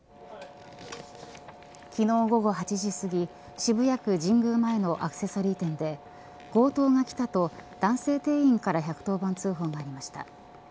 昨日、午後８時すぎ渋谷区神宮前のアクセサリー店で強盗が来たと男性定員から１１０番通報がありました。